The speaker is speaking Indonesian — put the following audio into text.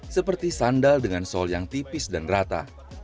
seperti sandal dengan sol yang tipis dan rata